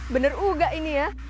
bener uga ini ya